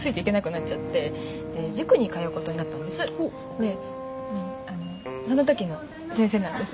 でその時の先生なんです。